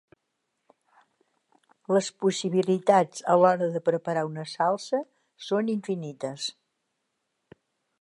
Les possibilitats a l'hora de preparar una salsa són infinites.